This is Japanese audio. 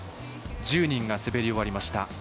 １０人が滑り終わりました。